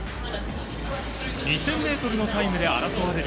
２０００ｍのタイムで争われる